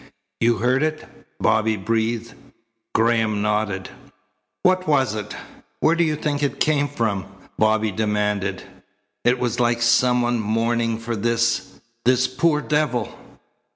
"You heard it?" Bobby breathed. Graham nodded. "What was it? Where did you think it came from?" Bobby demanded. "It was like someone mourning for this this poor devil."